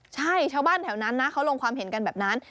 ใช่ชาวบ้านแถวนั้นนะเขาลงความเห็นกันแบบนั้น